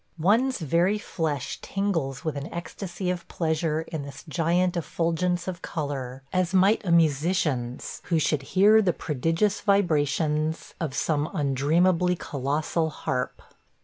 One's very flesh tingles with an ecstasy of pleasure in this giant effulgence of color, as might a musician's who should hear the prodigious vibrations of some undreamably colossal harp.